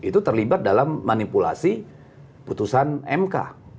itu terlibat dalam manipulasi putusan mk